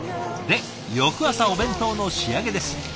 で翌朝お弁当の仕上げです。